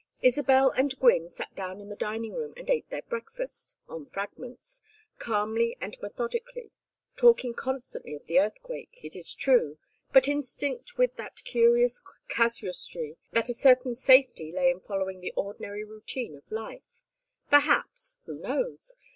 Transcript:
Isabel and Gwynne sat down in the dining room and ate their breakfast on fragments calmly and methodically, talking constantly of the earthquake, it is true, but instinct with that curious casuistry that a certain safety lay in following the ordinary routine of life; perhaps who knows?